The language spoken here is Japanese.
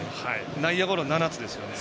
内野ゴロ７つですよね。